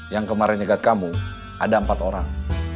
yang kemarin dekat kamu ada empat orang